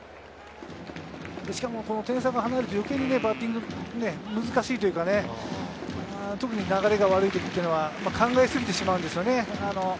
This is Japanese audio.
しかも点差が離れると、余計にバッティングは難しいというか、特に流れが悪い時っていうのは、考えすぎてしまうんですよね。